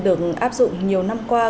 được áp dụng nhiều năm qua